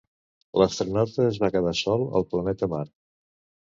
L'astronauta és va quedar sol al planeta Mart.